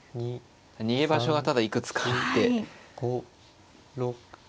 逃げ場所はただいくつかあって。